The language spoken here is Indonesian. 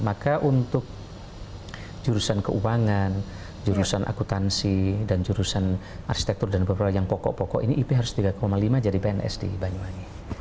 maka untuk jurusan keuangan jurusan akutansi dan jurusan arsitektur dan beberapa yang pokok pokok ini ip harus tiga lima jadi pns di banyuwangi